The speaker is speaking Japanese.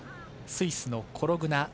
スイスのコログナ。